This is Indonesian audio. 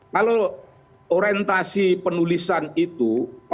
kalau orientasi penulisan itu